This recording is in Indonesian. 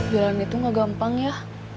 jalan itu gak gampang ya